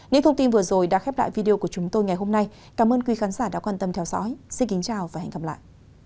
những thông tin vừa rồi đã khép lại video của chúng tôi ngày hôm nay cảm ơn quý khán giả đã quan tâm theo dõi xin kính chào và hẹn gặp lại